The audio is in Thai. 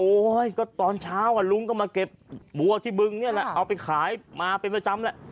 ก็ตอนเช้าลุงก็มาเก็บบัวที่บึงนี่แหละเอาไปขายมาเป็นประจำแหละ